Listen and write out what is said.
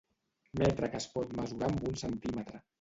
Metre que es pot mesurar amb un centímetre.